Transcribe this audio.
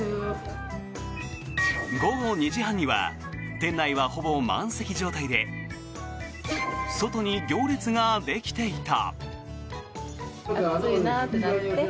午後２時半には店内はほぼ満席状態で外に行列ができていた。